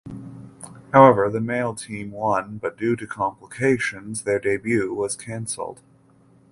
However the male team won but due to complications their debut was cancelled.